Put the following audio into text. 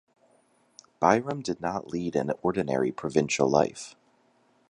Byrom did not lead an ordinary provincial life.